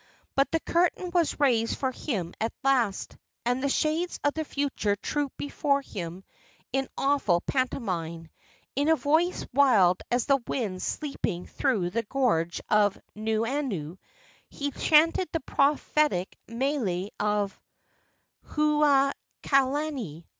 But the curtain was raised for him at last, and, as the shades of the future trooped before him in awful pantomime, in a voice wild as the winds sweeping through the gorge of Nuuanu he chanted the prophetic mele of Hau i Kalani.